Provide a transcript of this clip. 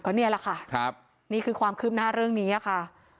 นี่แหละค่ะนี่คือความคืบหน้าเรื่องนี้ค่ะ